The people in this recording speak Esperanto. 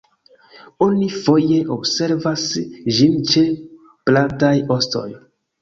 Oni foje observas ĝin ĉe plataj ostoj.